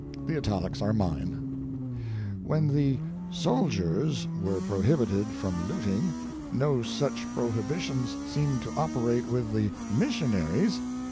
The italics are mine : "When the soldiers were prohibited from looting, no such prohibi tions seemed to operate with the missionaries.